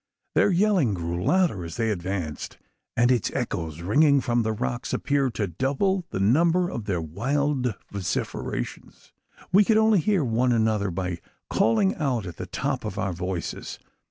Their yelling grew louder as they advanced; and its echoes, ringing from the rocks, appeared to double the number of their wild vociferations. We could only hear one another by calling out at the top of our voices.